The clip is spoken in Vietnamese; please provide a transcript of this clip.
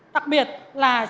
đặc biệt là